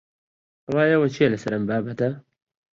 ڕای ئێوە چییە لەسەر ئەم بابەتە؟